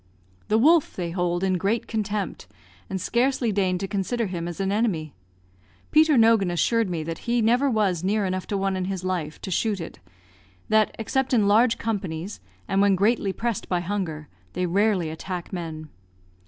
The wolf they hold in great contempt, and scarcely deign to consider him as an enemy. Peter Nogan assured me that he never was near enough to one in his life to shoot it; that, except in large companies, and when greatly pressed by hunger, they rarely attack men.